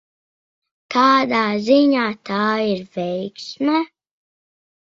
Kādā ziņā tā ir veiksme?